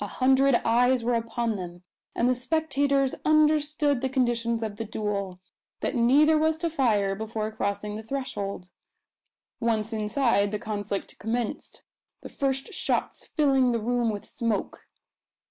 A hundred eyes were upon them; and the spectators understood the conditions of the duel that neither was to fire before crossing the threshold. Once inside, the conflict commenced, the first shots filling the room with smoke.